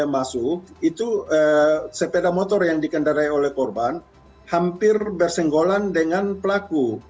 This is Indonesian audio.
masuk itu sepeda motor yang dikendarai oleh korban hampir bersenggolan dengan pelaku